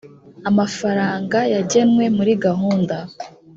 amafaranga yagenwe muri gahunda